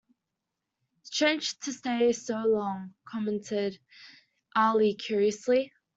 "Strange to stay so long," commented Ali curiously.